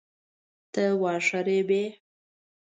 ته واخه ریبې؟